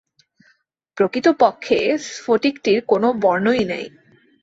প্রকতপক্ষে স্ফটিকটির কোন বর্ণই নাই।